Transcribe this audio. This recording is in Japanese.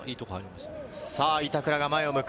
板倉が前を向く。